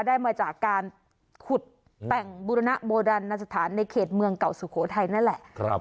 ได้มาจากการขุดแต่งบุรณโบดันสถานในเขตเมืองเก่าสุโขทัยนั่นแหละ